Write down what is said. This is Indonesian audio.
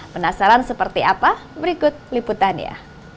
penasaran seperti apa berikut liputan ya